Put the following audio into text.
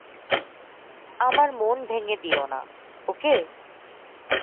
আমার মন ভেঙ্গে দিয়ো না, ওকে?